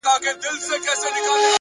د زړې کلي چتونه د باران غږ بل ډول ساتي،